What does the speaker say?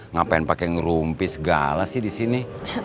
ngapain pake ngerumpi segala sih di sini